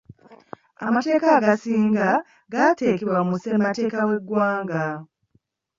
Amateeka agasinga g’atekebwa mu ssemateeka w’eggwanga.